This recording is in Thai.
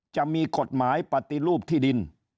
จะมีกฎหมายปฏิรูปที่ดิน